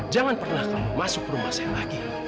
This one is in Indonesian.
jangan pernah kamu masuk rumah saya lagi